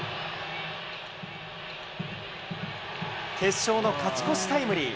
決勝の勝ち越しタイムリー。